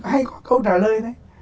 hay có câu trả lời đấy